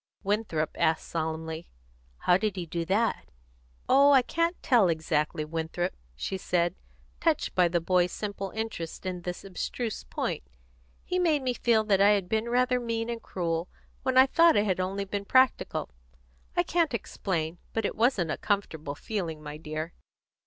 Winthrop asked solemnly, "How did he do that?" "Oh, I can't tell exactly, Winthrop," she said, touched by the boy's simple interest in this abstruse point. "He made me feel that I had been rather mean and cruel when I thought I had only been practical. I can't explain; but it wasn't a comfortable feeling, my dear."